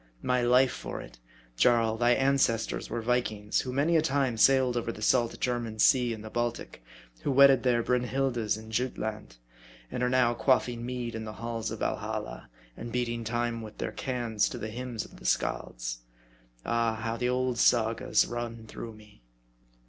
My life for it, Jarl, thy an cestors were Vikings, who many a time sailed over the salt German sea and the Baltic ; who wedded their Brynhildas in Jutland ; and are now quaffing mead in the halls of Val halla, and beating time with their cans to the hymns of the Scalds. Ah ! how the old Sagas run through me